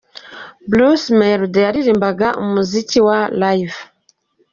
Bruce Melodie yaririmbaga umuziki wa Live.